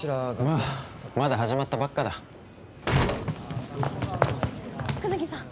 まあまだ始まったばっかだ功刀さん